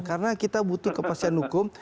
karena kita butuh kepastian hukum